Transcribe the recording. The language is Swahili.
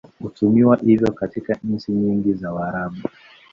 Hutumiwa hivyo katika nchi nyingi za Waarabu.